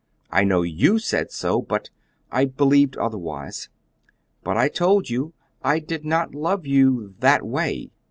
"I know YOU said so; but I believed otherwise." "But I told you I did not love you that way."